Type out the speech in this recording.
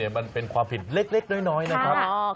มันเป็นความผิดเล็กน้อยนะครับ